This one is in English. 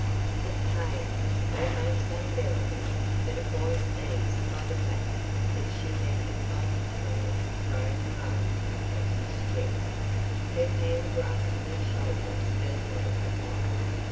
The pain was almost unbearable, but it was eased by the fact that she had involuntarily thrown her arm across his chest, her hand grasping his shoulder spasmodically.